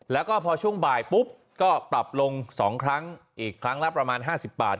แล้วก็พอช่วงบ่ายปุ๊บก็ปรับลง๒ครั้งอีกครั้งละประมาณ๕๐บาท